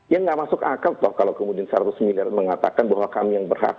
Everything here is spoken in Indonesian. ya nggak masuk akal toh kalau kemudian seratus miliar mengatakan bahwa kami yang berhak